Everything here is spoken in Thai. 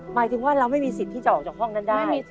หมายถึงว่าเราไม่มีสิทธิ์ที่จะออกจากห้องนั้นได้